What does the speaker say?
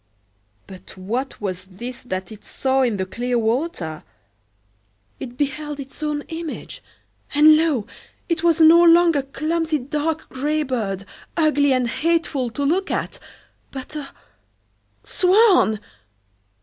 But what was this that it saw in the clear water? It beheld its own image; and, lo! it was no longer clumsy dark gray bird, ugly and hateful to look at, but a—swan!